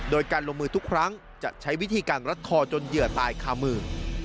โดยการลงมือทุกครั้งจะใช้วิธีการรัดคอจนเหยื่อตายคามือ